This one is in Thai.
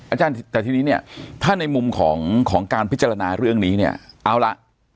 อาจารย์แต่ทีนี้เนี่ยถ้าในมุมของการพิจารณาเรื่องนี้เนี่ยเอาละ